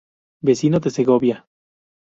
Vecino de Segovia.